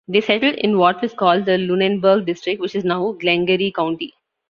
They settled in what was called the Lunenburg District, which is now Glengarry County.